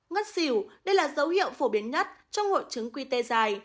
ngất xỉu đây là dấu hiệu phổ biến nhất trong hộ trứng quy tê dài